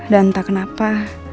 dan tak kenapa